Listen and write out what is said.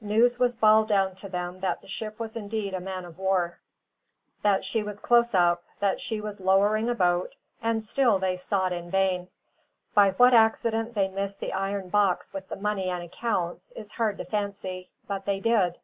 News was bawled down to them that the ship was indeed a man of war, that she was close up, that she was lowering a boat; and still they sought in vain. By what accident they missed the iron box with the money and accounts, is hard to fancy; but they did.